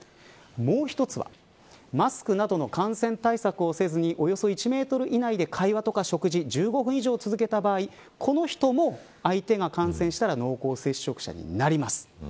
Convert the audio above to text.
もう１つはマスクなどの感染対策をせずにおよそ１メートル以内で会話とか食事１５分以上続けた場合この人も、相手が感染したら濃厚接触者になります。